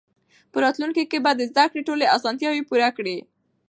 په راتلونکي کې به د زده کړې ټولې اسانتیاوې پوره وي.